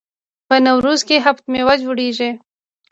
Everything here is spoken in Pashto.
په نوروز کې هفت میوه جوړیږي.